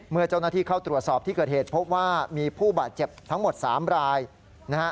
เมื่อเจ้าหน้าที่เข้าตรวจสอบที่เกิดเหตุพบว่ามีผู้บาดเจ็บทั้งหมด๓รายนะฮะ